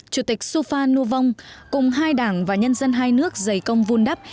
chủ tịch supha nu vong cùng hai đảng và nhân dân hai nước dày công vun đắp